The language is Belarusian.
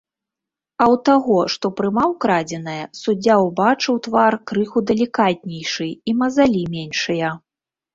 А ў таго, што прымаў крадзенае, суддзя ўбачыў твар крыху далікатнейшы і мазалі меншыя.